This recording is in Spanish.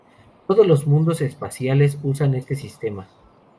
Todos los mundos espaciales usan este sistema.